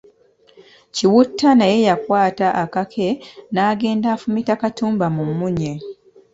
Kiwutta naye yakwata akake n’agenda afumita Katumba mu munnye.